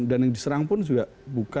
dan yang diserang pun juga bukanlah